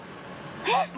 えっ！？